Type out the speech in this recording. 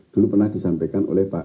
dulu pernah disampaikan oleh pak